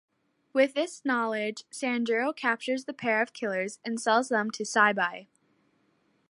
With this knowledge, Sanjuro captures the pair of killers and sells them to Seibei.